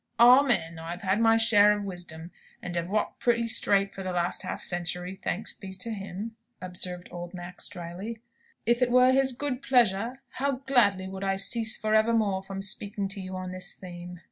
"Amen! I have had my share of wisdom, and have walked pretty straight for the last half century, thanks be to Him," observed old Max, drily. "If it were His good pleasure, how gladly would I cease for evermore from speaking to you on this theme!